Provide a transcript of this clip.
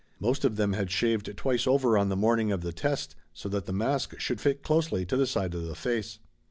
Most of them had shaved twice over on the morning of the test so that the mask should fit closely to the side of the face.